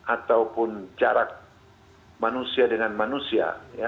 ataupun jarak manusia dengan manusia